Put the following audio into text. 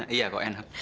iya kok enak